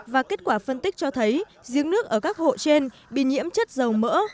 và kết quả phân tích cho thấy giếng nước ở các hộ trên bị nhiễm chất dầu mỡ